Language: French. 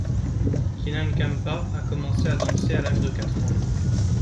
Keenan Kampa a commencé à danser à l'âge de quatre ans.